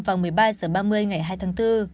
vào một mươi ba h ba mươi ngày hai tháng bốn